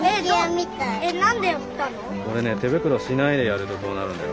これね手袋しないでやるとこうなるんだよ。